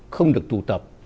không được tụ tập